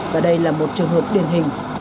và đây là một trường hợp điển hình